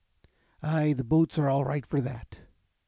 "Ay, the boats are all right for that."